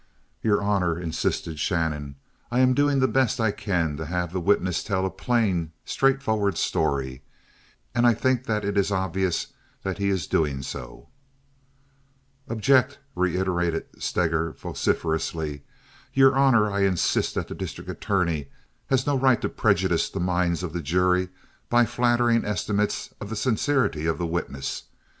"Your honor," insisted Shannon, "I am doing the best I can to have the witness tell a plain, straightforward story, and I think that it is obvious that he is doing so." "Object!" reiterated Steger, vociferously. "Your honor, I insist that the district attorney has no right to prejudice the minds of the jury by flattering estimates of the sincerity of the witness.